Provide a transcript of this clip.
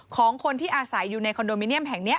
ของคนที่อาศัยอยู่ในคอนโดมิเนียมแห่งนี้